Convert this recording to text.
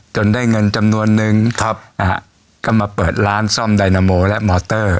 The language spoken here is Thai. ได้เงินจำนวนนึงครับนะฮะก็มาเปิดร้านซ่อมไดนาโมและมอเตอร์